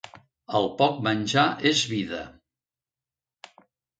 El poc menjar és vida.